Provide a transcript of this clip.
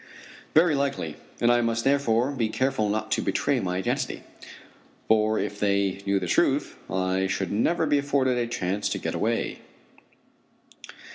Very likely, and I must therefore be careful not to betray my identity, for if they knew the truth, I should never be afforded a chance to get away.